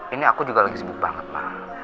ini aku juga lagi sibuk banget pak